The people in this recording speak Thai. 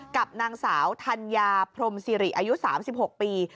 กับนางสาวธัญญาพรมสิริอายุ๓๖ปี